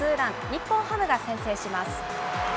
日本ハムが先制します。